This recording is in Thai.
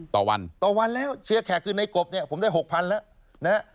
ต่อวันต่อวันแล้วเชียร์แขกขึ้นในกบผมได้๖๐๐๐บาทแล้ว